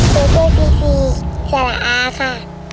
ตัวเลือกที่สี่สละอาค่ะ